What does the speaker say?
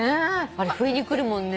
あれ不意にくるもんね。